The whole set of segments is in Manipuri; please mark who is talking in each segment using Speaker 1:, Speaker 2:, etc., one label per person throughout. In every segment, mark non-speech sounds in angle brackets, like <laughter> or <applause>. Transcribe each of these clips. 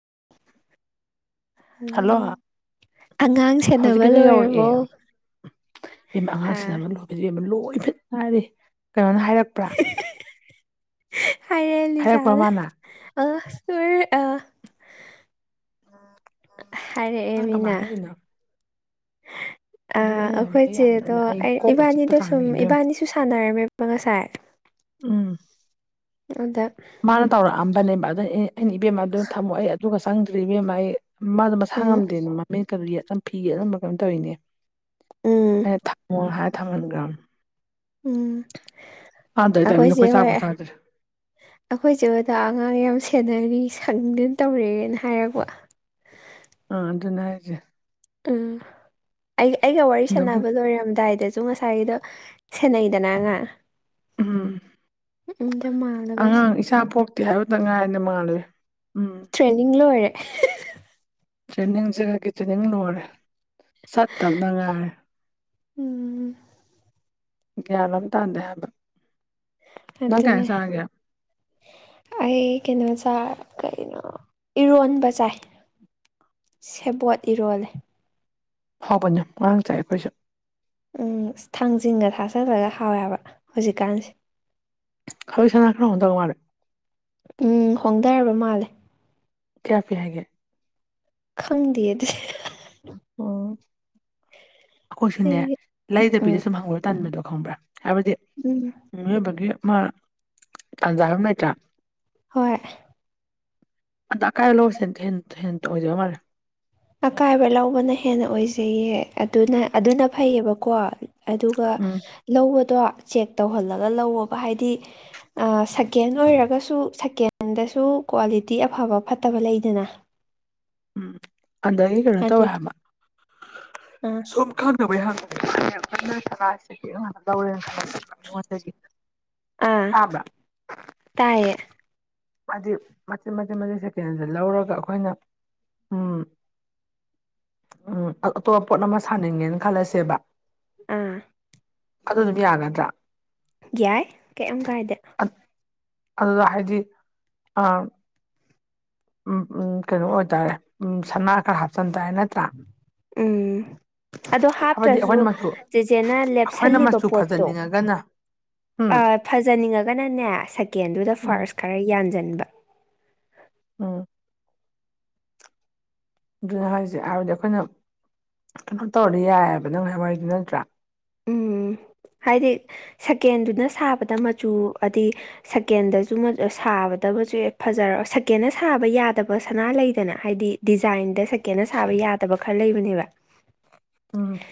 Speaker 1: <inaudible>
Speaker 2: ꯍꯜꯂꯣ ꯑꯉꯥꯡ ꯁꯦꯟꯅꯕ
Speaker 1: ꯍꯧꯖꯤꯛꯀꯤꯗꯨ
Speaker 2: ꯂꯣꯏꯔꯕꯣ
Speaker 1: ꯌꯧꯔꯛꯑꯦ ꯑꯉꯥꯡꯁꯤꯅ
Speaker 2: ꯑꯥ
Speaker 1: ꯑꯃ ꯂꯣꯏ ꯂꯣꯏ ꯏꯐꯠ ꯍꯥꯏꯗꯤ ꯀꯩꯅꯣꯅ ꯍꯥꯏꯔꯛꯄ꯭ꯔꯥ
Speaker 2: ꯍꯥꯏꯔꯦ ꯂꯤꯖꯥ
Speaker 1: ꯍꯥꯏꯔꯛꯄ꯭ꯔꯥ ꯃꯥꯅ
Speaker 2: ꯑ ꯁ ꯑ ꯍꯥꯏꯔꯦ
Speaker 1: ꯅꯪ ꯀꯃꯥꯏ
Speaker 2: ꯃꯤꯅꯥ
Speaker 1: ꯍꯥꯏꯔꯛꯏꯅꯣ
Speaker 2: ꯑ
Speaker 1: ꯑꯗꯨꯅ ꯑꯩꯅ ꯍꯥꯏꯕ ꯑꯩ
Speaker 2: ꯑꯩꯈꯣꯏꯆꯦꯗꯣ
Speaker 1: ꯌꯥꯝꯅ
Speaker 2: ꯑꯩ
Speaker 1: ꯀꯣꯛꯀ ꯆꯤꯛꯄ
Speaker 2: ꯏꯕꯥꯅꯤꯗꯣ ꯁꯨꯝ
Speaker 1: ꯆꯥꯡꯅꯤ ꯏꯕꯦꯝꯃ
Speaker 2: ꯏꯕꯥꯅꯤꯁꯨ ꯁꯥꯟꯅꯔꯝꯃꯦꯕ ꯉꯁꯥꯏ
Speaker 1: ꯎꯝ
Speaker 2: ꯑꯗ
Speaker 1: ꯃꯥꯅ ꯇꯧꯔꯛꯑꯝꯕꯅꯦꯕ ꯑꯗꯨ ꯑꯩꯅ ꯏꯕꯦꯝ ꯑꯗꯨ ꯊꯝꯃꯛ ꯑꯩ ꯑꯗꯨꯒ ꯆꯪꯗ꯭ꯔ ꯏꯕꯦꯝ ꯑꯩ ꯃꯥꯗꯣ ꯃꯁꯥ
Speaker 2: ꯎꯝ
Speaker 1: ꯉꯝꯗꯦꯅꯦ ꯃꯃꯤꯡ ꯀ ꯌꯦ ꯑꯗꯨꯝ ꯐꯤ ꯌꯦ ꯑꯗꯨꯅꯝꯕ ꯀꯩꯅꯣ ꯇꯧꯔꯤꯅꯦ
Speaker 2: ꯎꯝ
Speaker 1: ꯊꯃꯣ ꯍꯥꯏ ꯊꯥꯡꯃꯟꯒ꯭ꯔꯝ
Speaker 2: ꯎꯝ
Speaker 1: ꯑꯥꯗꯔꯦ ꯇꯥꯏꯃꯤꯗ ꯀꯣꯏ ꯆꯥꯀ ꯊꯥꯗꯔꯦ
Speaker 2: ꯑꯩꯈꯣꯏꯁꯦ ꯑꯣꯖꯥ ꯑꯉꯥꯡ ꯌꯥꯝ ꯁꯦꯟꯅꯔꯤ ꯁꯪꯗꯅ ꯇꯧꯔꯦꯅ ꯍꯥꯏꯔꯛꯄ
Speaker 1: ꯑ ꯑꯗꯨ ꯑꯗꯨꯅ ꯍꯥꯏꯖꯦ
Speaker 2: ꯎꯝ ꯑꯩ ꯑꯩꯒ ꯋꯥꯔꯤ
Speaker 1: ꯑꯗꯕꯨ
Speaker 2: ꯁꯥꯟꯅꯕ ꯂꯣꯏꯔꯝꯗꯥꯏꯗ ꯁꯨ ꯉꯁꯥꯏꯒꯤꯗꯣ ꯁꯦꯟꯅꯩꯗꯅ ꯉꯥ
Speaker 1: ꯎꯝ
Speaker 2: ꯃꯥꯜꯂꯕꯩ
Speaker 1: ꯑꯉꯥꯡ ꯏꯁꯥ ꯄꯣꯛꯇꯦ ꯍꯥꯏꯕꯇ ꯉꯥꯏꯅ ꯃꯥꯜꯂꯨꯦ
Speaker 2: ꯇ꯭ꯔꯦꯅꯤꯡ ꯂꯣꯏꯔꯦ
Speaker 1: ꯇ꯭ꯔꯦꯅꯤꯡꯁꯦ ꯀ ꯇ꯭ꯔꯦꯅꯤꯡ ꯂꯣꯏꯔꯦ ꯆꯠꯇꯕꯅꯉꯥꯏꯔꯦ
Speaker 2: ꯎꯝ
Speaker 1: ꯒ꯭ꯌꯥꯟ ꯑꯃ ꯇꯥꯟꯗꯦ ꯍꯥꯏꯕ ꯅꯪ ꯀꯌꯥ
Speaker 2: ꯑꯗꯨꯅꯦ
Speaker 1: ꯆꯥꯔꯒꯦ
Speaker 2: ꯑꯩ ꯀꯩꯅꯣ ꯁꯥ ꯀꯩꯅꯣ ꯏꯔꯣꯟꯕ ꯆꯥꯏ ꯁꯦꯕꯣꯠ ꯏꯔꯣꯜꯂꯦ
Speaker 1: ꯍꯕꯅꯤꯣ ꯉꯔꯥꯡ ꯆꯥꯏ ꯑꯩꯈꯣꯏꯁꯨ
Speaker 2: ꯎꯝ ꯊꯥꯡꯖꯟꯒ ꯊꯥꯖꯜꯂꯒ ꯍꯥꯎꯋꯦꯕ ꯍꯧꯖꯤꯛꯀꯥꯟꯁꯦ
Speaker 1: ꯍꯁꯅꯅꯥ ꯀ꯭ꯔ ꯑꯣꯟ ꯇꯒ ꯃꯥꯔꯦ
Speaker 2: ꯎꯝ ꯍꯣꯡꯊꯔꯕ ꯃꯥꯜꯂꯦ
Speaker 1: ꯀꯌꯥꯄꯤꯤ ꯍꯥꯏꯒꯦ
Speaker 2: ꯈꯪꯗꯗꯦ
Speaker 1: ꯑꯣ ꯑꯩꯈꯣꯏꯁꯨꯅꯦ
Speaker 2: ꯑꯩꯗꯤ ꯎꯝ
Speaker 1: ꯂꯩꯗꯕꯤꯗ ꯁꯨꯝ ꯍꯪꯉꯨꯔ ꯇꯟꯕꯗꯣ ꯈꯪꯕ꯭ꯔꯥ ꯍꯥꯏꯕꯗꯤ
Speaker 2: ꯎꯝ
Speaker 1: ꯃꯤꯑꯣꯏꯕꯒꯤ ꯃꯥ ꯇꯥꯟꯖꯥꯔ ꯂꯩꯇ꯭ꯔꯥ
Speaker 2: ꯍꯣꯏ
Speaker 1: ꯑꯗ ꯑꯀꯥꯏ ꯂꯁꯦ ꯍ ꯍꯦꯟꯇ ꯑꯣꯏꯖꯕ ꯃꯥꯜꯂꯦ
Speaker 2: ꯑꯀꯥꯏꯕ ꯂꯧꯕꯅ ꯍꯦꯟꯅ ꯑꯣꯏꯖꯩꯌꯦ ꯑꯗꯨꯅ ꯑꯗꯨꯅ ꯐꯩꯌꯦꯕꯀꯣ ꯑꯗꯨꯒ
Speaker 1: ꯎꯝ
Speaker 2: ꯂꯧꯕꯗꯣ ꯆꯦꯛ ꯇꯧꯍꯜꯂꯒ ꯂꯧꯑꯣꯣꯕ ꯍꯥꯏꯗꯤ ꯁꯀꯦꯟ ꯑꯣꯏꯔꯒꯁꯨ ꯁꯀꯦꯟꯗꯁꯨ ꯀ꯭ꯋꯥꯂꯤꯇꯤ ꯑꯐꯕ ꯐꯠꯇꯕ ꯂꯩꯗꯅ
Speaker 1: ꯎꯝ ꯍꯟꯗꯗꯒꯤ ꯀꯩꯅꯣ
Speaker 2: ꯑꯗꯨ
Speaker 1: ꯇꯧꯋꯦ ꯍꯥꯏꯕ
Speaker 2: ꯑꯥ
Speaker 1: ꯁꯨꯝ ꯈꯪꯗꯅꯕꯩ ꯍ ꯂꯥꯟꯅ ꯂꯧꯔꯦꯅꯉꯣꯟꯗꯤ
Speaker 2: ꯑꯥ ꯇꯥꯏꯌꯦꯦ
Speaker 1: ꯍꯥꯏ ꯃꯆꯤꯟꯠ ꯃꯆꯤꯟꯠ ꯃꯆꯤꯟ ꯁꯦꯀꯦꯟꯗ ꯂꯧꯔꯒ ꯑꯩꯈꯣꯏꯅ ꯎ ꯎꯝ ꯑꯇꯣꯞꯄ ꯄꯣꯠ ꯑꯃ ꯁꯥꯅꯤꯡꯒꯦꯅ ꯈꯜꯂꯁꯦꯕ
Speaker 2: ꯑꯥ
Speaker 1: ꯑꯗꯨ ꯑꯗꯨꯝ ꯌꯥꯒꯗ꯭ꯔꯥ
Speaker 2: ꯌꯥꯏ ꯀꯩ ꯀꯥꯏꯗ
Speaker 1: ꯑꯗꯨꯗ ꯍꯥꯏꯗꯤ ꯑ ꯎꯝ ꯀꯩꯅꯣ ꯑꯣꯏꯇꯥꯔꯦ ꯎ ꯁꯅꯥ ꯈꯔ ꯍꯥꯞꯆꯤꯟ ꯇꯥꯏ ꯅꯠꯇ꯭ꯔꯥ
Speaker 2: ꯎꯝ ꯑꯣ
Speaker 1: ꯍꯥꯏꯕꯗꯤ
Speaker 2: ꯍꯥꯞꯇ꯭ꯔꯁꯨ
Speaker 1: ꯑꯩꯈꯣꯏꯅ ꯃꯆꯨ
Speaker 2: ꯆꯦꯆꯦꯅ
Speaker 1: ꯑꯩꯈꯣꯏꯅ
Speaker 2: ꯂꯦꯞꯁꯤꯜꯂꯤꯕ
Speaker 1: ꯃꯆꯨ
Speaker 2: ꯄꯣꯠꯇꯣ
Speaker 1: ꯐꯖꯅꯤꯡꯉꯒꯅ ꯎꯝ
Speaker 2: ꯐꯖꯅꯤꯡꯉꯒꯅꯅꯦ ꯁꯦꯀꯦꯟꯗꯨꯗ
Speaker 1: ꯎꯝ
Speaker 2: ꯐꯥꯔꯁ ꯈꯔ ꯌꯥꯟꯁꯤꯟꯕ
Speaker 1: ꯑꯝ ꯑꯗꯨꯅ ꯍꯥꯏꯁꯦ ꯍꯥꯏꯔꯗꯤ ꯑꯩꯈꯣꯏꯅ ꯀꯩꯅꯣ ꯇꯧꯔꯗꯤ ꯌꯥꯏꯑꯕ ꯅꯪ ꯍꯥꯏꯥꯏꯋꯥꯏꯗꯨ ꯅꯠꯇ꯭ꯔꯥ
Speaker 2: ꯎꯝ ꯍꯥꯏꯗꯤ ꯁꯀꯦꯟꯗꯨꯅ ꯁꯥꯕꯗ ꯃꯆꯨ ꯍꯥꯏꯗꯤ ꯁꯀꯦꯟꯗꯁꯨꯕꯗ ꯐ ꯌꯥ ꯁꯅꯥꯅ ꯍꯥꯏꯗꯤ ꯗꯤꯥꯏꯟ ꯌꯥꯗꯕ ꯈꯔ ꯂꯩꯕꯅꯦꯕ
Speaker 1: ꯑꯝ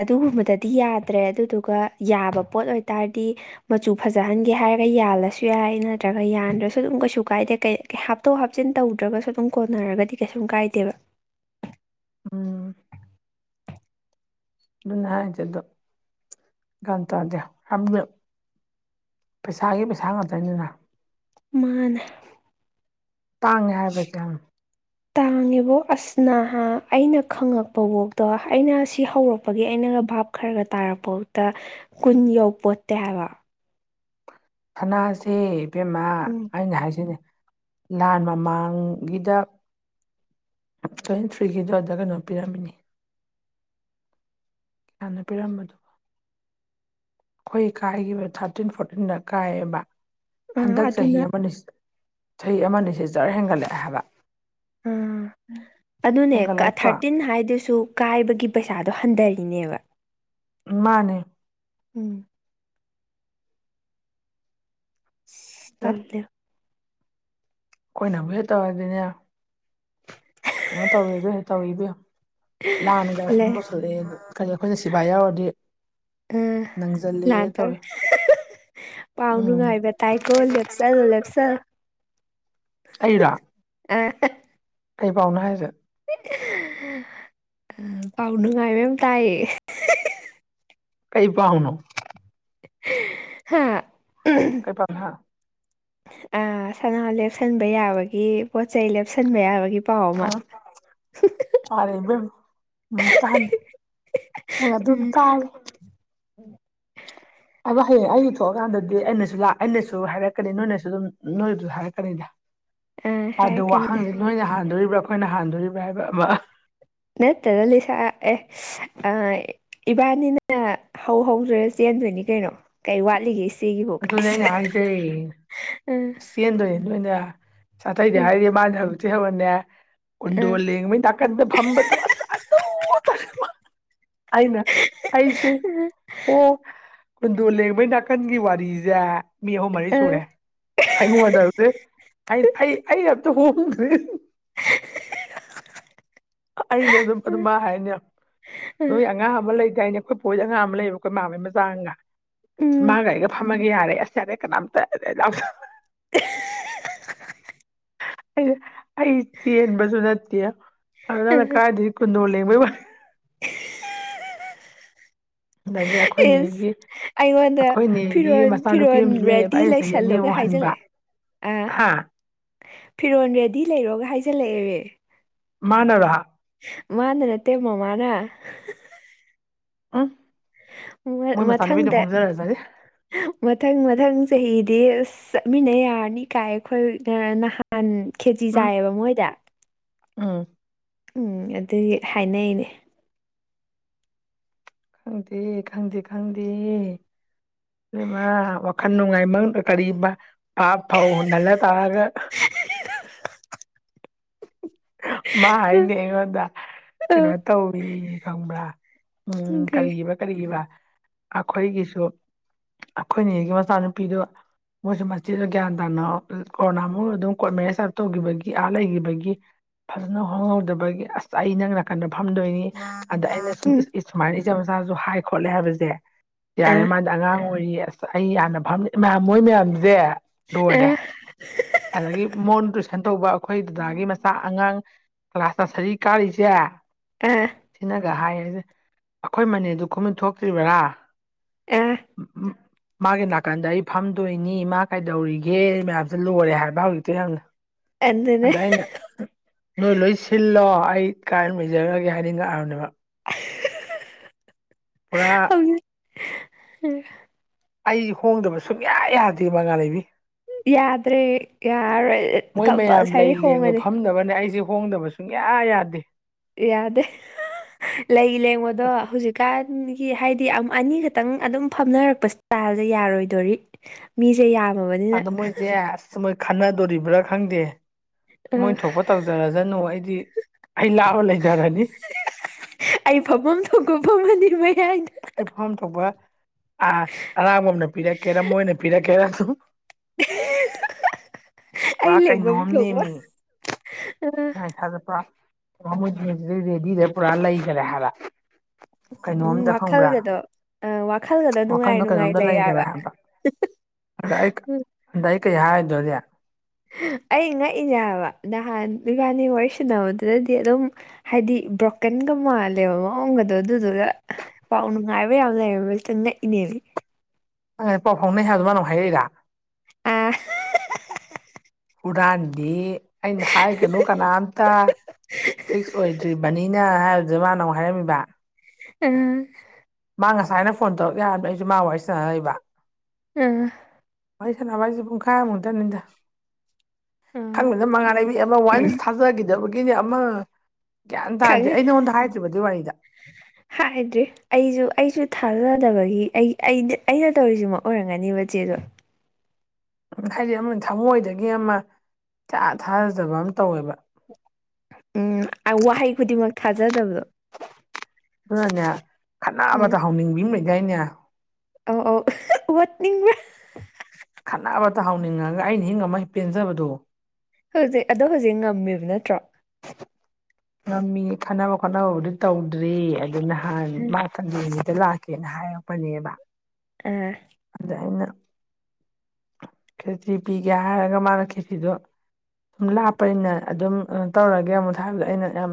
Speaker 2: ꯑꯗꯨꯒꯨꯝꯕꯗꯗꯤ ꯌꯥꯗ꯭ꯔꯦ ꯑꯗꯨꯗꯨ ꯑꯗꯨꯒ ꯌꯥꯕ ꯄꯣ ꯑꯣꯏꯇꯥꯔꯗꯤ ꯃꯆꯨ ꯐꯖꯍꯟꯒꯦ ꯍꯥꯏꯔ ꯌꯥꯜꯂꯁꯨ ꯌꯥꯏ ꯅꯠꯇ꯭ꯔꯒ ꯌꯥ ꯁꯨ ꯑꯗꯨꯝ ꯀꯩꯁꯨ ꯀꯥꯏꯗꯦ ꯍꯥꯞꯇꯣꯛ ꯍꯥꯞꯆꯤꯟ ꯇꯧꯗ꯭ꯔꯒꯁꯨ ꯑꯗꯨꯝ ꯀꯣꯟꯅꯔꯒꯗꯤ ꯀꯩꯁꯨꯝ ꯀꯥꯏꯗꯦꯕ
Speaker 1: ꯎꯝ ꯑꯗꯨꯅꯦ ꯍꯥꯏꯗ ꯑꯗꯨꯣ ꯀꯇꯗꯦ ꯍꯕ ꯄꯩꯁꯥꯒꯤ ꯄꯩꯁꯥ ꯉꯥꯛꯇꯅꯤꯅ
Speaker 2: ꯃꯥꯅꯦ
Speaker 1: ꯇꯥꯡꯉꯦ ꯍꯥꯏꯕꯁꯦ
Speaker 2: ꯇꯥꯡꯉꯦꯕꯣ ꯑꯁ ꯅꯍꯥ ꯑꯩꯅ ꯈꯪꯉꯛꯄ ꯋꯣꯛꯗꯣ ꯑꯩꯅ ꯁꯤ ꯍꯧꯔꯛꯄꯒꯤ ꯑꯩꯅꯒ ꯚꯥꯞ ꯈꯔꯒ ꯇꯥꯔꯛꯄ ꯀꯨꯟ ꯌꯧꯄꯣꯠꯇꯦ ꯍꯥꯏꯕ
Speaker 1: ꯊꯅꯥꯁꯦ ꯏꯕꯦꯝꯃ
Speaker 2: ꯎꯝ
Speaker 1: ꯑꯩꯅ ꯍꯥꯏꯁꯤꯅꯦ ꯂꯥꯟ ꯃꯃꯥꯡꯒꯤꯗ ꯇ꯭ꯋꯦꯟ ꯊ꯭ꯔꯤꯒꯤꯗꯣꯗ ꯀꯩꯅꯣ ꯄꯤꯔꯝꯃꯤꯅꯤ ꯍꯅ ꯄꯤꯔꯝꯕꯗꯨꯕ ꯑꯩꯈꯣꯏ ꯀꯥꯏꯈꯤꯕ ꯊꯥꯔꯇꯤꯟ ꯐꯣꯔꯇꯤꯟꯗ ꯀꯥꯏꯑꯕ
Speaker 2: ꯑꯥ
Speaker 1: ꯍꯟꯗꯛ ꯆꯍꯤ
Speaker 2: ꯑꯗꯨꯅ
Speaker 1: ꯑꯃꯅꯤ ꯆꯍꯤ ꯑꯃꯅꯤ ꯑꯅꯤꯁꯤ ꯖꯔ ꯍꯦꯟꯒꯠꯂꯛꯑꯦ ꯍꯥꯏꯕ
Speaker 2: ꯑ ꯑꯗꯨꯅꯦ
Speaker 1: ꯍꯦꯟꯒꯠꯂꯛꯇ꯭ꯔꯣ
Speaker 2: ꯊꯥꯔꯇꯤꯟ ꯍꯥꯏꯗꯨꯁꯨ ꯀꯥꯏꯕꯒꯤ ꯄꯩꯁꯥꯗꯣ ꯍꯟꯊꯔꯤꯅꯦꯕ
Speaker 1: ꯃꯥꯅꯦ
Speaker 2: ꯎꯝ ꯇꯜꯂꯦ
Speaker 1: ꯑꯩꯈꯣꯏꯅꯕꯨ ꯍꯦꯛ ꯇꯧꯔꯗꯤꯅꯦ ꯀꯩꯅ ꯇꯧꯗꯦ ꯇꯧꯗꯌꯥ ꯂꯥꯟꯅꯒ ꯁꯨꯝ
Speaker 2: ꯂꯦ
Speaker 1: ꯇꯧꯁꯜꯂꯛꯑꯦ ꯀꯔꯤ ꯑꯩꯈꯣꯏꯅ ꯁꯤꯚꯥꯏ ꯌꯥꯎꯔꯗꯤ
Speaker 2: ꯑ
Speaker 1: ꯅꯪꯁꯤꯜꯂꯦ
Speaker 2: ꯂꯥꯛꯇꯔ
Speaker 1: ꯇꯧꯋꯦ
Speaker 2: ꯄꯥꯎ
Speaker 1: ꯎꯝ
Speaker 2: ꯅꯨꯡꯉꯥꯏꯕ ꯇꯥꯏꯀꯣ ꯂꯦꯞꯆꯜꯂꯣ ꯂꯦꯞꯆꯜ
Speaker 1: ꯑꯩꯔꯥ ꯀꯩ ꯄꯥꯎꯅꯣ ꯍꯥꯏꯁꯦ
Speaker 2: ꯎꯝ ꯄꯥꯎ ꯅꯨꯡꯉꯥꯏꯕꯌꯥꯝ ꯇꯥꯏꯌꯦ
Speaker 1: ꯀꯩ ꯄꯥꯥꯎꯅꯣ
Speaker 2: ꯍꯥ
Speaker 1: ꯀꯩ ꯄꯥꯎꯅꯣꯕ
Speaker 2: ꯁꯅꯥ ꯂꯦꯞꯁꯟꯕ ꯌꯥꯕꯒꯤ ꯄꯣꯠ ꯆꯩꯩ ꯂꯦꯞꯁꯟꯕ ꯌꯥꯕꯒꯤ ꯄꯥꯎ ꯑꯃ
Speaker 1: ꯑꯣ ꯑꯔꯦꯕ ꯎꯝ ꯇ ꯑꯗꯨꯝ ꯇ
Speaker 2: ꯎꯝ
Speaker 1: ꯑꯗꯣ ꯍꯌꯦꯡ ꯑꯩꯒꯤ ꯊꯣꯛꯑꯀꯥꯟꯗꯗꯤ ꯑꯩꯅꯁꯨ ꯑꯩꯅꯁꯨ ꯍꯥꯏꯔꯛꯀꯅꯤ ꯅꯣꯏꯅꯁꯨ ꯑꯗꯨꯝ ꯅꯣꯏꯁꯨ ꯍꯥꯏꯔꯛꯀꯅꯤꯗ
Speaker 2: ꯑ
Speaker 1: ꯑꯗꯣ
Speaker 2: ꯍꯥꯏꯔꯛꯀꯅꯤ
Speaker 1: ꯋꯥꯍꯪꯁꯦ ꯅꯣꯏꯅ ꯍꯥꯟꯗꯣꯔꯤꯕ꯭ꯔꯥ ꯑꯩꯈꯣꯏꯅ ꯍꯥꯟꯗꯣꯔꯤꯕ꯭ꯔꯥ ꯍꯥꯏꯕ ꯑꯃ
Speaker 2: ꯅꯠꯇꯅ ꯂꯤ ꯁꯥ ꯑꯦ ꯑ ꯏꯕꯥꯅꯤꯅ ꯍꯧ ꯍꯧꯗ꯭ꯔꯁꯤ ꯆꯦꯟꯗꯣꯏꯅꯤ ꯀꯩꯅꯣ ꯀꯩ ꯋꯥꯠꯂꯤꯒꯦ ꯁꯤ
Speaker 1: ꯑꯗꯨꯅꯦ ꯑꯩꯅ ꯍꯥꯏꯖ
Speaker 2: ꯎꯝ
Speaker 1: ꯆꯦꯟꯗꯣꯏꯅꯦ ꯅꯣꯏꯅ ꯁꯥꯊꯩꯅꯦ
Speaker 2: ꯎꯝ
Speaker 1: ꯍꯥꯏꯔꯤꯗꯤ ꯃꯥꯅꯦ ꯍꯧꯖꯤꯛꯇꯤ ꯍꯧꯔꯅꯦ
Speaker 2: ꯎꯝ
Speaker 1: ꯀꯗꯜꯂꯤ ꯇꯀꯗ ꯐꯝꯕꯗꯨꯁ ꯑꯩꯅ ꯑꯩꯁꯦ ꯍꯣ ꯀꯨꯟꯗꯣ ꯂꯦꯡꯕꯩ ꯅꯥꯀꯟꯒꯤ ꯋꯥꯅꯤ ꯁꯦ ꯃꯤ ꯑꯍꯨꯝ ꯃꯔꯤ
Speaker 2: ꯎꯝ
Speaker 1: ꯁꯨꯔꯦ ꯑꯩꯉꯣꯟꯣꯟꯗꯩꯅ ꯍ
Speaker 2: <inaudible>
Speaker 1: ꯑꯩꯅ ꯑꯗꯨꯝ
Speaker 2: ꯎꯝ
Speaker 1: ꯑꯗꯨꯃ ꯍꯥꯏꯅꯤ
Speaker 2: ꯎꯝ
Speaker 1: ꯅꯣꯏ ꯑꯉꯥꯡ ꯑꯃ ꯂꯩꯇ ꯍꯥꯏꯅꯦ ꯑꯩꯈꯣꯏ ꯄꯣꯏ ꯑꯉꯥꯡ ꯑꯃ ꯂꯩꯕ ꯑꯩꯈꯣꯏ ꯃꯥꯩ ꯃꯆꯥꯒ
Speaker 2: ꯎꯝ
Speaker 1: ꯃꯥꯒ ꯑꯩꯒ ꯐꯝꯃꯒꯦ ꯌꯥꯔꯦ ꯑꯁꯦꯔ ꯀꯅꯥꯝ ꯇꯔ ꯌꯥ
Speaker 2: <inaudible>
Speaker 1: ꯁꯤꯤꯕꯁꯨꯅꯠꯇꯌꯥ ꯑꯗꯨꯅ ꯀꯥꯏꯗꯤ ꯀꯦ ꯊꯕ ꯑꯗꯒꯤ
Speaker 2: ꯑ ꯏꯁ
Speaker 1: ꯑꯩꯈꯣꯏꯅꯦꯒꯤ
Speaker 2: ꯑꯩꯉꯣꯟꯗ
Speaker 1: ꯑꯩꯈꯣꯏꯅꯦꯒꯤ
Speaker 2: ꯐꯤꯔꯣꯜ
Speaker 1: ꯃꯆꯥꯅꯨꯄꯤ
Speaker 2: ꯐꯤꯔꯣꯜ
Speaker 1: ꯑꯃꯁꯨ ꯂꯩꯌꯦꯕ
Speaker 2: ꯔꯦꯗꯤ
Speaker 1: ꯑꯩꯅ ꯆꯍꯤ
Speaker 2: ꯂꯩꯁꯜꯂꯨꯒ
Speaker 1: ꯑꯅꯤꯃꯨꯛ ꯍꯟꯕ
Speaker 2: ꯍꯥꯏꯖꯜꯂꯛꯑꯦ ꯑ
Speaker 1: ꯍꯥ
Speaker 2: ꯐꯤꯔꯣꯟ ꯔꯦꯗꯤ ꯂꯩꯔꯣꯒ ꯍꯥꯏꯖꯜꯂꯛꯑꯦꯕ
Speaker 1: ꯃꯥꯅꯔ
Speaker 2: ꯃꯥꯗꯅꯠꯇꯃꯃꯅ
Speaker 1: ꯑ
Speaker 2: ꯃꯊꯪꯗ ꯃꯊꯪ ꯃꯊꯪ ꯆꯍꯤꯗꯤ ꯑꯁ ꯆꯠꯃꯤꯟꯅ ꯌꯥꯔꯅꯤ ꯀꯥꯏ ꯑꯩꯈꯣꯏ ꯅꯍꯥꯟ ꯈꯦꯖꯤꯤ
Speaker 1: ꯎꯝ
Speaker 2: ꯆꯥꯏꯑꯕ ꯃꯣꯏꯗ
Speaker 1: ꯎꯝ
Speaker 2: ꯎꯝ ꯑꯗꯨꯒꯤ ꯍꯥꯏꯅꯩꯅꯦ
Speaker 1: ꯈꯪꯗꯦ ꯈꯪꯗꯦ ꯈꯪꯗꯦ ꯂꯩꯃ ꯈꯟ ꯅꯨꯡꯉꯥꯏ ꯃ ꯀꯔꯤ ꯄꯥꯞ ꯐꯧ ꯅꯜꯂ ꯇꯥꯔꯒ ꯃꯥ ꯍꯥꯏꯅꯦ ꯑꯩꯉꯣꯟꯗ ꯀꯩꯅꯣ
Speaker 2: ꯎꯝ
Speaker 1: ꯇꯧꯋ ꯈꯪꯕ꯭ꯔꯥ ꯎꯝ ꯀꯔꯤꯕ ꯀꯔꯤꯕ ꯑꯩꯈꯣꯏꯒꯤꯁꯨ ꯑꯩꯈꯣꯏꯅꯤꯒꯤ ꯃꯆꯥꯅꯨꯄꯤꯗꯨ ꯃꯣꯏꯁꯨ ꯃꯆꯦꯗ ꯒ꯭ꯌꯥꯟ ꯇꯥꯅ ꯀꯣꯔꯣꯅꯥ ꯑꯗꯨꯝ ꯀꯣꯔꯠ ꯃꯦꯔꯦꯖ ꯑ ꯇꯧꯈꯤꯕꯒꯤ ꯑꯥ ꯐꯖꯅ ꯍꯣꯡꯍꯧꯗꯕꯒꯤ ꯑꯁ ꯑꯩ ꯅꯪ ꯅꯥꯀꯟꯗ ꯐꯝꯗꯣꯏꯅꯤ ꯑꯗ ꯑꯩꯅ ꯁꯨꯃꯥꯏꯅ ꯏꯆꯆꯥ ꯃꯆꯥꯁꯨ ꯍꯥꯏ ꯈꯣꯠꯂꯦ ꯍꯥꯏꯕꯁꯦ ꯌꯥꯔꯦ
Speaker 2: ꯑꯥ
Speaker 1: ꯃꯥꯗꯤ ꯑꯉꯥꯡ ꯑꯣꯏꯔꯤ ꯑꯁ ꯑꯩ ꯌꯥꯝꯅ ꯐꯥꯝꯖꯩ ꯃꯌꯥꯝ ꯃꯣꯏ ꯃꯌꯥꯝꯁꯦ ꯂꯣꯏꯔꯦ
Speaker 2: ꯑꯥ
Speaker 1: ꯑꯗꯨꯗꯒꯤ ꯃꯣꯟꯨ ꯇ꯭ꯔꯤꯁꯟ ꯇꯧꯕ ꯑꯩꯈꯣꯏ ꯑꯗꯥꯒꯤ ꯃꯆꯥ ꯑꯉꯥꯡ ꯀ꯭ꯂꯥꯁ ꯅꯁꯔꯤ ꯀꯥꯔꯤꯁꯦ
Speaker 2: ꯑꯥ
Speaker 1: ꯁꯤꯅ ꯑꯗ ꯍꯥꯏꯔꯁꯦ ꯑꯩꯈꯣꯏ ꯃꯅꯦꯗꯨ ꯈꯨꯃꯟ ꯊꯣꯛꯇ꯭ꯔꯤꯕꯔꯥ
Speaker 2: ꯑ
Speaker 1: ꯃꯥꯒꯤ ꯅꯥꯀꯟꯗ ꯑꯩ ꯐꯝꯗꯣꯏꯅꯤ ꯃꯥ ꯀꯩꯗꯧꯔꯤꯒꯦ ꯃꯌꯥꯝꯁꯦ ꯂꯣꯏꯔꯦ ꯍꯥꯏꯕ ꯍꯧꯖꯤꯛꯇ ꯌꯥꯝꯡꯪꯅ
Speaker 2: ꯑꯗꯨꯅ
Speaker 1: ꯑꯗ ꯍꯥꯏꯅ ꯅꯣꯏ ꯂꯣꯏ ꯁꯤꯜꯂꯣ ꯑꯩ ꯀꯥꯏ ꯑꯗꯨꯝ ꯂꯩꯖꯔꯛꯑꯒꯦ ꯍꯥꯏꯅꯤꯡꯉꯛꯑꯕꯅꯦꯕ ꯄꯨꯔꯥ
Speaker 2: ꯍꯧꯖꯤꯛ
Speaker 1: ꯑꯩ ꯍꯣꯡꯗꯕ ꯁꯨꯡꯌꯥ ꯌꯥꯗꯦ ꯃꯉꯥ ꯂꯩꯕꯤ
Speaker 2: ꯌꯥꯗ꯭ꯔꯦ ꯌꯥꯔꯣꯏ
Speaker 1: ꯃꯣꯏ
Speaker 2: ꯀꯝꯄꯜꯁꯔꯤ ꯍꯣꯡꯉꯅꯤ
Speaker 1: ꯈꯣꯡꯗꯕ ꯁꯨꯡꯌꯥ ꯌꯥꯗꯦ
Speaker 2: ꯌꯥꯗꯦ ꯂꯩ ꯂꯦꯡꯕꯗꯣ ꯍꯧꯖꯤꯛꯀꯥꯟ ꯍꯥꯏꯗꯤ ꯑꯅꯤꯈꯛꯇꯪ ꯑꯗꯨꯝ ꯐꯝꯅꯔꯛꯄ ꯏꯁꯇꯥꯏꯜꯁ ꯌꯥꯔꯣꯏꯗꯣꯔꯤ ꯃꯤꯁꯦ ꯌꯥꯝ
Speaker 1: ꯑꯗ ꯃꯣꯏꯁꯦ ꯑꯁ ꯃꯣꯏ ꯈꯟꯅꯗꯣꯔꯤꯕ꯭ꯔꯥ ꯈꯪꯗꯦ
Speaker 2: ꯑ
Speaker 1: ꯃꯣꯏ ꯊꯣꯛꯄ ꯇꯧꯖꯔꯖꯅꯨ ꯑꯩꯗꯤ ꯑꯩ ꯂꯥꯛꯕ ꯂꯩꯖꯔꯅꯤ
Speaker 2: ꯑꯩ ꯐꯐꯝ ꯊꯣꯛꯒꯐꯝꯃꯗꯤꯉꯩ
Speaker 1: ꯑꯩ ꯐꯥꯝ ꯊꯣꯛꯄ ꯑꯔꯥꯡꯕ ꯑꯃꯅ ꯄꯤꯔꯛꯀꯦꯔꯥ ꯃꯣꯏꯅ ꯄꯤꯔꯛꯀꯦꯔꯥ ꯑꯗꯨ
Speaker 2: <inaudible> ꯑꯩ
Speaker 1: ꯄꯨꯔꯥ
Speaker 2: ꯂꯦꯡꯐꯝ
Speaker 1: ꯀꯩꯅꯣꯝ
Speaker 2: ꯊꯣꯛꯄ
Speaker 1: ꯅꯦꯝꯃꯤ
Speaker 2: ꯑ
Speaker 1: ꯉꯥꯏ ꯊꯥꯖꯠꯄ꯭ꯔꯥ ꯔꯦꯗꯤꯗꯦ ꯄꯨꯔꯥ ꯂꯩ ꯆꯂꯦ ꯍꯥꯏꯔ
Speaker 2: ꯎꯝ ꯋꯥꯈꯜꯒꯗꯣ ꯑ ꯋꯥꯈꯜꯒꯗ ꯅꯨꯡꯉꯥꯏ
Speaker 1: ꯋꯥꯈꯜꯗ
Speaker 2: ꯅꯨꯡꯉꯥꯏ
Speaker 1: ꯀꯩꯅꯣꯝꯗ ꯂꯩꯈꯔꯦ
Speaker 2: ꯂꯩꯕ
Speaker 1: ꯍꯥꯏꯕ ꯑꯗ ꯑꯩ ꯀꯩ ꯍꯥꯏꯗꯣꯔꯤ
Speaker 2: ꯑꯩ ꯉꯛꯏꯅꯦꯕ ꯅꯍꯥꯟ ꯏꯕꯥꯅꯤ ꯋꯥꯔꯤ ꯁꯅꯕꯗꯨꯗꯗꯤ ꯑꯗꯨꯝ ꯍꯥꯏꯗꯤ ꯕ꯭ꯔꯣꯀꯟꯒ ꯃꯥꯜꯂꯦꯕ ꯃꯑꯣꯡꯒꯗꯣ ꯑꯗꯨꯗꯨꯒ ꯄꯥꯎ ꯅꯨꯡꯉꯥꯏꯕ ꯌꯥꯝ ꯂꯩꯔꯕꯇꯪ ꯉꯛꯏꯅꯦꯕ
Speaker 1: ꯑ ꯄꯥꯎ ꯐꯥꯎꯅꯩ ꯍꯥꯏꯗꯣ ꯃꯥꯅ ꯑꯃꯨꯛ ꯍꯥꯏꯔꯛꯏꯔ
Speaker 2: ꯑꯥ
Speaker 1: ꯍꯨꯔꯥꯟꯕꯤ ꯑꯩꯅ ꯍꯥꯏꯒꯅꯨ ꯀꯅꯥꯝꯇ ꯐꯤꯛꯁ ꯑꯣꯏꯗ꯭ꯔꯤꯕꯅꯤ ꯍꯥꯏꯕꯁꯦ ꯃꯥꯅ ꯑꯃꯨꯛ ꯍꯥꯏꯔꯝꯃꯤꯕ
Speaker 2: ꯎꯝ
Speaker 1: ꯃꯥ ꯉꯁꯥꯏꯅ ꯐꯣꯟ ꯇꯧꯔꯛ ꯌꯥꯗꯣ ꯑꯩꯁꯨ ꯃꯥ ꯋꯥꯔꯤ ꯁꯥꯟꯅ ꯂꯩꯕ
Speaker 2: ꯑꯥ
Speaker 1: ꯋꯥꯔꯤ ꯁꯥꯟꯅꯕ ꯍꯥꯏꯁꯦ ꯄꯨꯡꯈꯥꯏꯃꯨꯛꯇꯅꯤꯗ
Speaker 2: ꯑꯥ
Speaker 1: ꯈꯪꯗꯅ ꯃꯉꯥꯜꯂꯩꯕꯤ ꯑꯃ ꯋꯥꯏꯟꯁ ꯊꯥꯖꯈꯤꯗꯕꯒꯤꯅꯦ ꯑꯃ ꯒ꯭ꯌꯥꯟ ꯇꯥꯗꯦ
Speaker 2: ꯈꯪꯉꯦ
Speaker 1: ꯑꯩ ꯅꯉꯣꯟꯗ ꯍꯥꯏꯗ꯭ꯔꯤꯕꯗꯨ ꯋꯥꯔꯤꯗ
Speaker 2: ꯍꯥꯏꯗ꯭ꯔꯤ ꯑꯩꯁꯨ ꯑꯩꯁꯨ ꯊꯥꯖꯗꯕꯒꯤ ꯑꯩ ꯑꯩꯅ ꯇꯧꯔꯤꯁꯤꯃ ꯑꯣꯏꯔꯝꯒꯅꯤꯕ ꯆꯦꯗꯣ
Speaker 1: ꯍꯥꯏꯗꯤ ꯑꯃ ꯊꯃꯣꯏꯗꯒꯤ ꯑꯃ ꯆꯥ ꯊꯥꯗꯕ ꯑꯃ ꯇꯧꯋꯦꯕ
Speaker 2: ꯎꯝ ꯋꯥꯍꯩ ꯈꯨꯗꯤꯡꯃꯛ ꯊꯥꯖꯗꯕꯗꯣ
Speaker 1: ꯑꯗꯨꯅꯅꯦ
Speaker 2: ꯎꯝ
Speaker 1: ꯈꯠꯅꯕꯗ ꯍꯧꯅꯤꯡꯕꯤ ꯑꯃ ꯂꯩꯗꯥꯏꯅꯦ
Speaker 2: ꯑꯧ ꯑꯧ ꯑꯣꯠꯅꯤꯡꯕ
Speaker 1: ꯍꯧꯅꯤꯡꯉꯒ ꯑꯩꯅ ꯍꯤꯡ ꯉꯝꯃ ꯄꯦꯟꯖꯕꯗꯣ
Speaker 2: ꯍꯧꯖꯤꯛ ꯑꯗꯣ ꯍꯧꯖꯤꯛ ꯉꯝꯃꯦꯕ ꯅꯠꯇ꯭ꯔꯣ
Speaker 1: ꯉꯝꯃꯤ ꯈꯟꯅꯕ ꯈꯣꯠꯅꯕꯕꯨꯗꯤ ꯇꯧꯗ꯭ꯔꯤ ꯑꯗꯨ ꯅꯍꯥꯟ ꯃꯥ ꯊ ꯂꯥꯛꯀꯦꯅ ꯍꯥꯏꯔꯛꯄꯅꯦꯕ
Speaker 2: ꯑꯥ
Speaker 1: ꯑꯗ ꯑꯩꯅ ꯈꯦꯆꯤ ꯄꯤꯒꯦ ꯍꯥꯏꯔꯒ ꯃꯥꯅ ꯈꯦꯆꯤꯗꯣ ꯁꯨꯝ ꯂꯥꯞꯄꯅꯤꯅ ꯑꯗꯨꯝ ꯀꯣ ꯇꯧꯔꯒꯦ ꯑꯃꯨꯗ ꯍꯥꯏꯕꯗ ꯑꯩꯅ ꯌꯥꯝ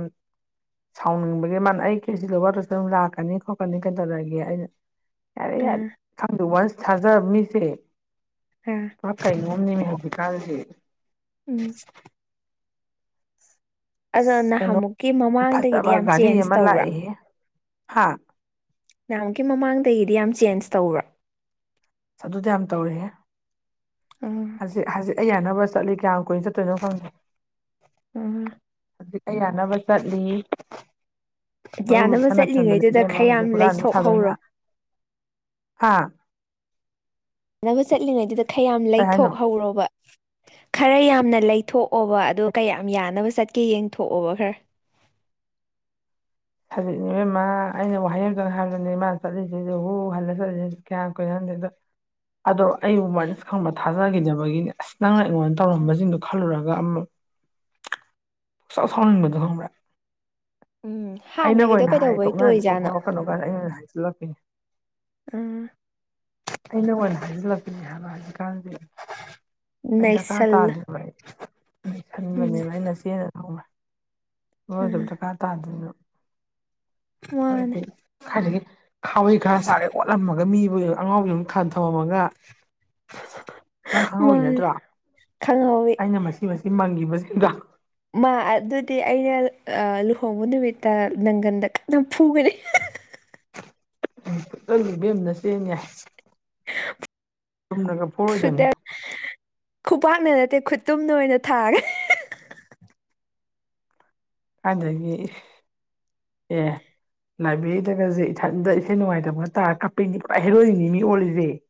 Speaker 1: ꯁꯥꯎꯅꯤꯡꯕꯒꯤ ꯃꯥꯅ ꯑꯩ ꯈꯦꯁꯤ ꯂꯧꯕꯁꯨ ꯑꯗꯨꯝ ꯂꯥꯛꯀꯅꯤ ꯈꯣꯠꯀꯅꯤ ꯀꯩꯅ ꯇꯧꯔꯛꯑꯒꯦ ꯑꯩꯅ ꯌꯥꯔꯦ ꯌꯥꯔꯦ
Speaker 2: ꯑꯥ
Speaker 1: ꯈꯪꯗꯣꯛ ꯋꯥꯁꯨ ꯊꯥꯖꯔꯝꯃꯤꯁꯦ
Speaker 2: ꯑꯥ
Speaker 1: ꯄꯨꯔ ꯀꯩꯅꯣꯝꯅꯦꯃꯦ ꯍꯧꯖꯤꯛ ꯀꯥꯟꯁꯤ
Speaker 2: ꯎꯝ ꯑꯗꯣ
Speaker 1: ꯑꯁ ꯀꯩꯅꯣ
Speaker 2: ꯅꯍꯥꯟꯃꯨꯛꯀꯤ ꯃꯃꯥꯡꯗꯒꯤꯗꯤ
Speaker 1: ꯐꯖꯕ
Speaker 2: ꯌꯥꯝ
Speaker 1: ꯒꯥꯔꯤ
Speaker 2: ꯆꯦꯟꯖ
Speaker 1: ꯑꯃ
Speaker 2: ꯇꯧꯕ꯭ꯔꯥ
Speaker 1: ꯂꯥꯛꯏ ꯍꯦ ꯍꯥ
Speaker 2: ꯅꯃꯨꯛꯀꯤ ꯃꯃꯥꯡꯗꯒꯤꯗꯤ ꯌꯥꯝ ꯆꯦꯟꯖ ꯇꯧꯕ꯭ꯔ
Speaker 1: ꯑꯗꯨꯗꯤ ꯌꯥꯝ ꯇꯧꯔꯍꯦ ꯍꯧꯖꯤꯛ ꯍꯧꯖꯤꯛ ꯑꯩ ꯌꯥꯅꯕ ꯆꯠꯂꯤ ꯀꯌꯥꯝ ꯀꯨꯏꯅ ꯆꯠꯇꯣꯏꯅꯣ ꯈꯪꯗꯦ
Speaker 2: ꯎꯝ
Speaker 1: ꯑꯗꯨꯛ ꯑꯩ ꯌꯥꯅꯕ ꯆꯠꯂꯤ ꯃꯔꯨ
Speaker 2: ꯌꯥꯅꯕ
Speaker 1: ꯂꯨꯞꯊꯥꯅꯁꯟꯗꯅ
Speaker 2: ꯆꯠꯂꯤꯉꯩꯗꯨꯗ
Speaker 1: ꯏꯕꯦꯝꯃ
Speaker 2: ꯈꯔ ꯌꯥꯝ
Speaker 1: ꯍꯧꯖꯤꯛ ꯍꯨꯔꯥꯟꯕ ꯁꯥꯗꯅ꯫
Speaker 2: ꯂꯩꯊꯣꯛꯍꯧꯔꯣ
Speaker 1: ꯍꯥꯥ
Speaker 2: ꯁꯥꯟꯅꯕ ꯆꯠꯂꯤꯉꯩꯗꯨꯗ ꯈꯔꯌꯥꯝ
Speaker 1: ꯀꯩ ꯍꯥꯏꯅꯣ
Speaker 2: ꯂꯩꯊꯣꯛꯍꯧꯔꯣꯕ ꯈꯔ ꯌꯥꯝꯅ ꯂꯩꯊꯣꯛ ꯑꯣꯕ ꯑꯗꯨꯗꯣ ꯀꯌꯥꯝ ꯌꯥꯅꯕ ꯆꯠꯀꯦ ꯌꯦꯡꯊꯣꯛꯑꯣꯕ ꯈꯔ
Speaker 1: ꯍꯧꯖꯤꯛꯅꯦ ꯏꯕꯦꯝꯃ ꯑꯩꯅ ꯋꯥꯍꯩ ꯑꯃꯇꯪ ꯍꯥꯏꯕꯗꯨꯅꯦ ꯃꯥ ꯆꯠꯂꯤꯁꯤꯗꯤ ꯍꯨ ꯍꯜꯂ ꯆꯠꯂꯤꯁꯤ ꯀꯌꯥꯝ ꯀꯨꯏꯅ ꯍꯟꯗꯦꯗꯣ ꯑꯗꯣ ꯑꯩꯕꯨꯃꯅꯁ ꯈꯪꯕ ꯊꯥꯖꯈꯤꯅꯕꯒꯤꯅꯤ ꯑꯁ ꯅꯪꯅ ꯑꯩꯉꯣꯟꯗ ꯇꯧꯔꯝꯕꯁꯤꯡꯗꯨꯣ ꯈꯜꯂꯨꯔꯒ ꯑꯃꯨꯛ ꯄꯪꯁꯥꯎ ꯁꯥꯎꯅꯤꯡꯕꯗꯣ ꯈꯪꯕ꯭ꯔꯥ
Speaker 2: ꯎꯝ
Speaker 1: ꯑꯩꯅꯒ
Speaker 2: ꯍꯥꯟꯅꯒꯤꯗꯣ
Speaker 1: ꯑꯣꯏꯅ ꯍꯥꯏ
Speaker 2: ꯀꯩꯗꯧꯕꯩ
Speaker 1: ꯊꯣꯛꯅꯔꯁꯤꯐꯥꯎ
Speaker 2: ꯇꯣꯏꯖꯥꯠꯅꯣ
Speaker 1: ꯐꯥꯎꯔꯛꯀꯅꯨ ꯀꯥꯏꯅ ꯑꯩꯅ ꯑꯣꯏꯅ ꯍꯥꯏꯁꯤꯜꯂꯛꯄꯅꯦ
Speaker 2: ꯎꯝ
Speaker 1: ꯑꯩꯅ ꯑꯣꯏ ꯍꯥꯏꯖꯤꯜꯂꯛꯄꯅꯦ ꯍꯥꯟꯛꯖꯤꯛꯀꯥꯟꯁ ꯑꯩꯗꯔꯀꯥ
Speaker 2: ꯅꯩꯁꯜꯂ
Speaker 1: ꯇꯥꯗꯦꯕ ꯑꯩ ꯑꯩ
Speaker 2: ꯎꯝ
Speaker 1: ꯈꯟꯕꯅꯦꯅ ꯑꯩꯅ ꯆꯦꯅ ꯇꯧ ꯑꯗꯨꯏ ꯑꯗꯨ
Speaker 2: ꯎꯝ
Speaker 1: ꯗꯔꯀꯥꯔ ꯇꯥꯗꯅ
Speaker 2: ꯃꯥꯅꯦ
Speaker 1: <unintelligible> ꯍꯋꯥꯩ ꯈꯔ ꯁꯥꯒꯦ ꯑꯣꯠꯂꯝꯃꯒ ꯃꯤꯕꯨ ꯑꯉꯥꯎꯕ ꯑꯗꯨꯝ ꯊꯥꯟ ꯊꯂꯝꯝꯃꯒ ꯅꯪ ꯈꯪꯍꯧꯋꯤ
Speaker 2: ꯃꯥꯅꯦ
Speaker 1: ꯅꯠꯇ꯭ꯔꯣ
Speaker 2: ꯈꯪꯍꯧꯋꯤ
Speaker 1: ꯑꯩꯅ ꯃꯁꯤ ꯃꯁꯤ ꯃꯪꯈꯤꯕꯁꯤꯡ ꯗ
Speaker 2: ꯃꯥ ꯑꯗꯨꯗꯤ ꯑꯩꯅ ꯂꯨꯍꯣꯡꯕ ꯅꯨꯃꯤꯠꯇ ꯅꯪꯒꯟꯗ ꯀꯟꯅ ꯐꯨꯒꯅꯤ
Speaker 1: <unintelligible> ꯜꯂꯤꯕꯦꯝꯅ ꯆꯦꯟ ꯌꯥ ꯊꯅ ꯄꯔꯣꯏꯗꯅꯤ
Speaker 2: ꯐꯨꯗ ꯈꯨꯠꯇꯨꯝꯗ ꯑꯣꯏꯅ ꯊꯥꯔꯦ
Speaker 1: ꯑꯗꯒꯤ ꯑꯦ ꯂꯥꯏꯕ꯭ꯔꯦꯔꯤꯗꯒꯁꯦ ꯏꯊꯟꯇ ꯏꯊꯦ ꯅꯨꯡꯉꯥꯏꯇꯕꯒꯅ ꯇꯥꯔ ꯀꯞꯄꯩꯅꯤ ꯍꯩꯔꯣꯏꯔꯤꯅꯤ ꯃꯤ ꯑꯣꯜꯂꯤꯁꯦ <inaudible>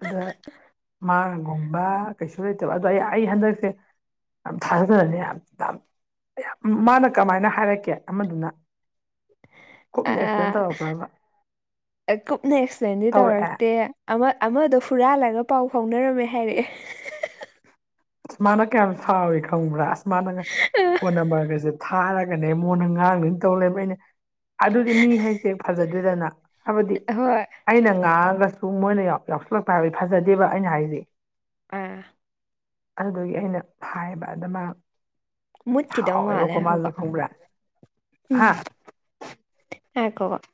Speaker 1: ꯑꯗ ꯃꯥꯒꯨꯝꯕ ꯀꯩꯁꯨ ꯂꯩꯇꯕ ꯑꯗꯣ ꯑꯩ ꯑꯩ ꯍꯟꯗꯛꯁꯦ ꯌꯥꯝ ꯊꯥꯖꯗꯅꯅꯤ ꯌꯥꯝ ꯌꯥꯝ ꯃꯥꯅ ꯀꯃꯥꯏꯅ ꯍꯥꯏꯔꯛꯀꯦ ꯑꯃꯗꯨꯅ ꯀꯨꯞꯅ ꯑꯦꯛꯁꯄ꯭ꯂꯦꯟ ꯇꯧꯔꯛꯄ꯭ꯔꯕ
Speaker 2: ꯑ ꯀꯨꯞꯅ ꯑꯦꯛꯁꯄ꯭ꯂꯦꯟꯗꯤ
Speaker 1: ꯇꯧꯔꯛꯑꯦ
Speaker 2: ꯇꯧꯔꯛꯇꯦ ꯑꯃ ꯑꯃꯗꯣ ꯐꯨꯔꯥꯜꯂꯒ ꯄꯥꯎ ꯐꯥꯎꯅꯔꯝꯃꯦ ꯍꯥꯏꯔꯛꯑꯦ
Speaker 1: ꯑꯁ ꯃꯥꯅ ꯀꯌꯥꯝ ꯁꯥꯎꯏꯤ ꯈꯪꯕ꯭ꯔꯥ ꯑꯁ ꯃꯥꯅꯒ ꯐꯣꯟ ꯅꯝꯕꯔꯒꯁꯦ ꯊꯥꯔꯒꯅꯦ ꯃꯣꯟꯗ ꯉꯥꯡ ꯂꯣꯏꯅ ꯇꯧ ꯂꯩꯕ ꯑꯩꯅ ꯑꯗꯨꯗꯤ ꯃꯤ ꯍꯥꯏꯁꯦ ꯐꯖꯗꯦꯗꯅ ꯍꯥꯏꯕꯗꯤ
Speaker 2: ꯍꯣꯏ
Speaker 1: ꯑꯩꯅ ꯉꯥꯡꯉꯒꯁꯨ ꯃꯣꯏꯅ ꯌꯥꯎꯁꯜꯂꯛꯄ ꯍꯥꯏꯕꯗꯤ ꯐꯖꯗꯦꯕ ꯑꯩꯅ ꯍꯥꯏꯖ
Speaker 2: ꯑꯥ
Speaker 1: ꯑꯗꯨꯒꯤ ꯑꯩꯅ ꯍꯥꯏꯕ ꯑꯗꯨꯃ
Speaker 2: ꯃꯨꯠꯈꯤꯗꯧ ꯃꯥꯜꯂꯦ ꯍꯥꯏꯧꯕ ꯎꯝ
Speaker 1: ꯍꯥ
Speaker 2: ꯌꯥ ꯀꯒꯣ